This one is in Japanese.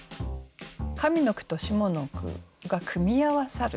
上の句と下の句が組み合わさるということ。